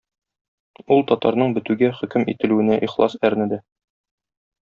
Ул татарның бетүгә хөкем ителүенә ихлас әрнеде.